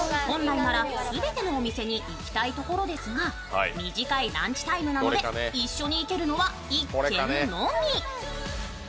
本来なら全てのお店に行きたいところですが、短いランチタイムなので一緒に行けるのは１軒のみ。